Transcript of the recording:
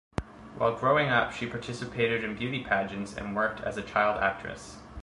While growing up, she participated in beauty pageants and worked as a child actress.